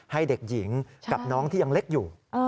ให้เด็กหญิงกับน้องที่ยังเล็กอยู่